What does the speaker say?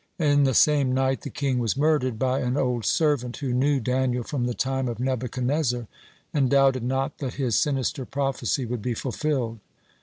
In the same night the king was murdered by an old servant, who knew Daniel from the time of Nebuchadnezzar, and doubted not that his sinister prophecy would be fulfilled.